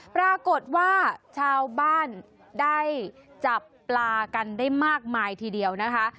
ปรากฏว่าชาวบ้านได้จับปลากันได้มากมายทีเดียวนะคะ